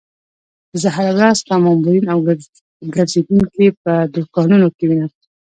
زه هره ورځ ستا مامورین او ګرځېدونکي په دوکانونو کې وینم.